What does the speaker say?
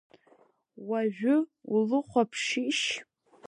Уажәы улыхәаԥшишь?